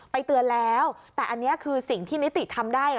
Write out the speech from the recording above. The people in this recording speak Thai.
เตือนแล้วแต่อันนี้คือสิ่งที่นิติทำได้